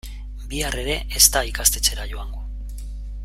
Bihar ere ez da ikastetxera joango.